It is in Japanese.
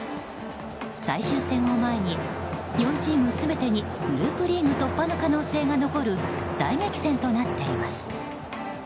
最終戦を前に、４チーム全てにグループリーグ突破の可能性が残る大激戦となっています。